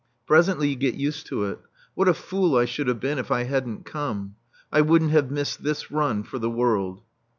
Presently you get used to it. "What a fool I should have been if I hadn't come. I wouldn't have missed this run for the world."